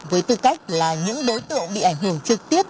với tư cách là những đối tượng bị ảnh hưởng trực tiếp